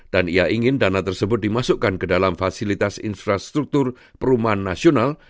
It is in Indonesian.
dan ia ingin dana tersebut dimasukkan ke dalam fasilitas infrastruktur perumahan nasional